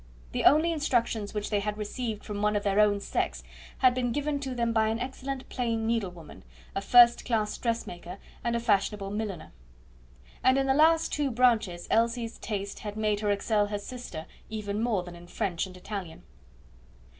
The only instructions which they had received from one of their own sex had been given to them by an excellent plain needlewoman, a first class dressmaker, and a fashionable milliner; and in the last two branches Elsie's taste had made her excel her sister even more than in French and Italian.